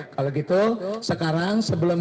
kalau gitu sekarang sebelum